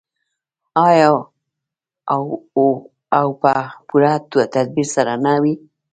آیا او په پوره تدبیر سره نه وي؟